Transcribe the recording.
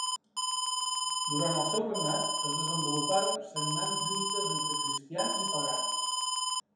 Durant el seu regnat es desenvoluparen sagnants lluites entre cristians i pagans.